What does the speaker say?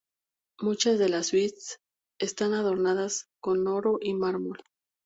Muchas de las suites están adornadas con oro y mármol.